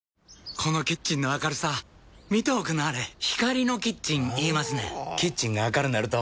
このキッチンの明るさ見ておくんなはれ光のキッチン言いますねんほぉキッチンが明るなると・・・